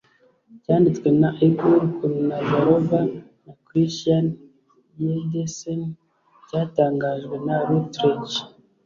cyanditswe na Aigul Kulnazarova na Christian Ydesen cyatangajwe na Routledge